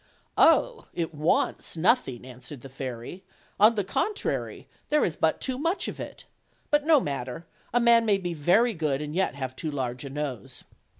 "Oh! it wants nothing," answered the fairy; "on the contrary, there is but too much of it; but no matter, a man may be very good and yet have too large a nose.